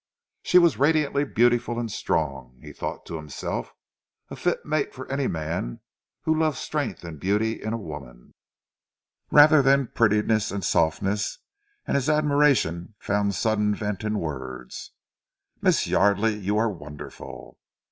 She was radiantly beautiful and strong, he thought to himself, a fit mate for any man who loved strength and beauty in a woman, rather than prettiness and softness, and his admiration found sudden vent in words. "Miss Yardely, you are wonderful!"